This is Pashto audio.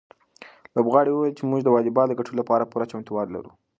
لوبغاړي وویل چې موږ د واليبال د ګټلو لپاره پوره چمتووالی لرو.